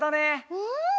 うん。